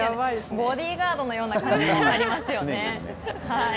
ボディーガードのような感じがありますよね。